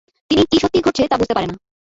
তিনি কি সত্যিই ঘটছে তা বুঝতে পারে না।